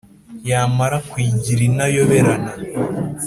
Yamara kuyigira intayoberana